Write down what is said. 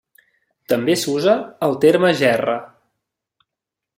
També s'usa, el terme gerra.